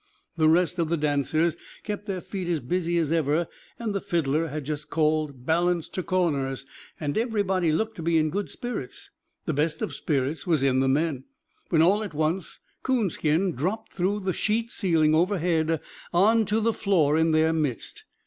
The rest of the dancers kept their feet as busy as ever, and the fiddler had just called "Balance ter corners," and everybody looked to be in good spirits the best of spirits was in the men when all at once Coonskin dropped through the sheet ceiling overhead on to the floor in their midst.